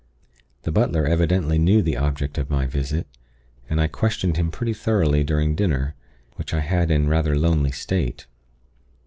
The butler evidently knew the object of my visit, and I questioned him pretty thoroughly during dinner, which I had in rather lonely state.